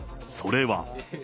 それは。